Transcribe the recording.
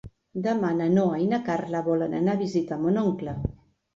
Demà na Noa i na Carla volen anar a visitar mon oncle.